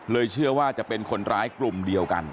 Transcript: เชื่อว่าจะเป็นคนร้ายกลุ่มเดียวกัน